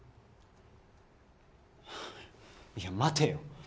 いや待てよ。